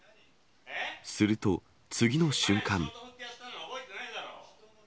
すると、次の瞬間。